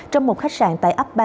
trong một khách sạn tại ấp ba